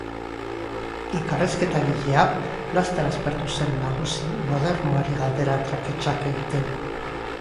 Elkarrizketa egilea, laster aspertu zen nagusi modernoari galdera traketsak egiten.